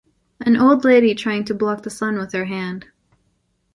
An old lady trying to block the sun with her hand.